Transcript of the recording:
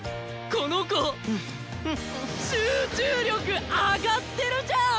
この子集中力上がってるじゃん！